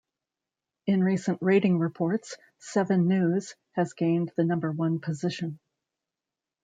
In recent ratings reports, "Seven News" has gained the number one position.